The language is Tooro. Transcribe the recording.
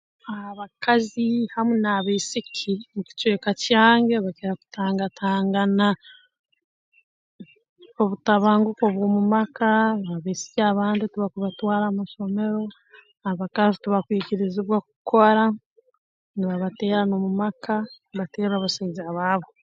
Abakazi hamu n'abaisiki mu kicweka kyange bakira kutangatangana obutabanguko obw'omu maka abaisiki abandi tibakubatwara ha masomero abakazi tibakwikirizibwa kukora nibabateera n'omu maka mbaterwa abasaija baabo